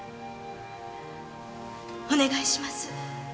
お願いします。